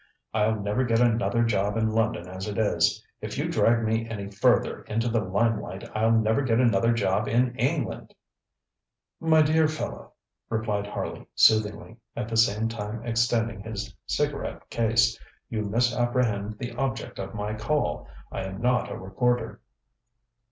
I'll never get another job in London as it is. If you drag me any further into the limelight I'll never get another job in England.ŌĆØ ŌĆ£My dear fellow, ŌĆØ replied Harley soothingly, at the same time extending his cigarette case, ŌĆ£you misapprehend the object of my call. I am not a reporter.